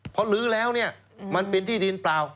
เพราะลื้อแล้วมันเป็นที่ดินเปล่า